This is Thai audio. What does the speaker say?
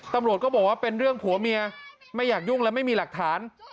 ตำรวจก็บอกว่าเป็นเรื่องผัวเมียไม่อยากยุ่งและไม่มีหลักฐาน